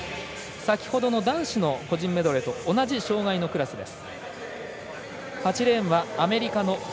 先ほどの男子の個人メドレーと同じ障がいのクラスです。